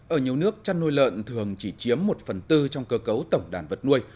ở nhiều nước chăn nuôi lợn thường chỉ chiếm một phần tư trong cơ cấu tổng đàn vật nuôi